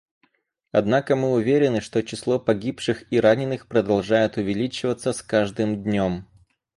Однако мы уверены, что число погибших и раненых продолжает увеличиваться с каждым днем.